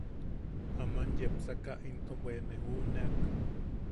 Aman yepsaka into bwe ne juʼuneak.